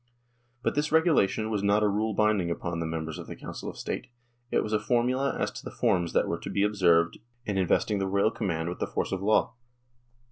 But this regulation was not a rule binding upon the members of the Council of State ; it was a formula as to the forms that were to be observed in investing the royal command with the force of law.